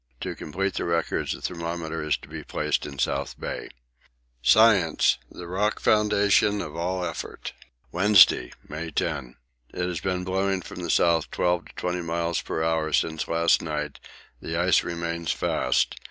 To complete the records a thermometer is to be placed in South Bay. Science the rock foundation of all effort!! Wednesday, May 10. It has been blowing from the South 12 to 20 miles per hour since last night; the ice remains fast.